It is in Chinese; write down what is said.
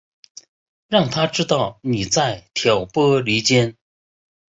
让他知道妳在挑拨离间